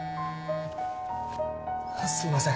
すいません